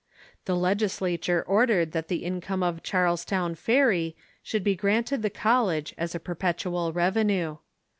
The legislature ordered that the income of Charlestown ferry should be granted the college as a perpetual revenue.